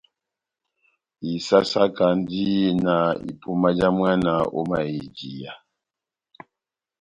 Isásákandi na ipuma já mwana ó mayèjiya.